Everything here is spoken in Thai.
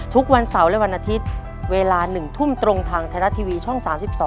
ทุกวันเสาร์และวันอาทิตย์เวลา๑ทุ่มตรงทางไทยรัฐทีวีช่อง๓๒